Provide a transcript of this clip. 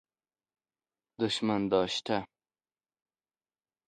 دشمن داشته